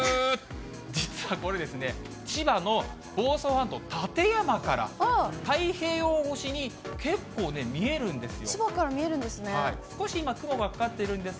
実はこれ、千葉の房総半島、館山から、太平洋越しに結構ね、見えるんで千葉から見えるんですね。